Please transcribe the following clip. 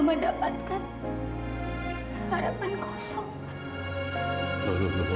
ternyata cuma harapan kosong yang mama dapatkan